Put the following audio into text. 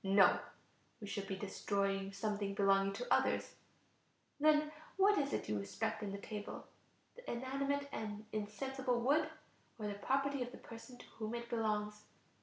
No, we should be destroying something belonging to others. Then what is it you respect in the table? the inanimate and insensible wood, or the property of the person to whom it belongs?